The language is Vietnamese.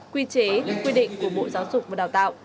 quy chế quy định của bộ giáo dục và đào tạo